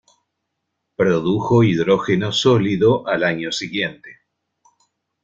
Produjo hidrógeno sólido al año siguiente.